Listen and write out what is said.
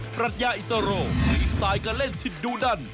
ปรัชญาอิสโรมีสายกระเล่นทิศดูดัน